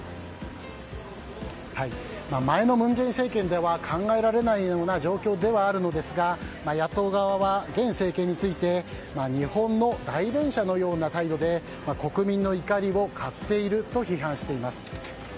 前の文在寅政権では考えられないような状況ではあるのですが野党側は現政権について日本の代弁者のような態度で国民の怒りを買っていると批判しています。